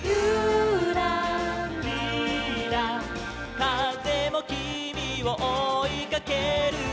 「かぜもきみをおいかけるよ」